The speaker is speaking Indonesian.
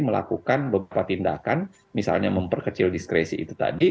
melakukan beberapa tindakan misalnya memperkecil diskresi itu tadi